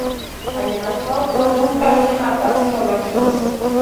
Además, fue autor de un par de mapas geológicos.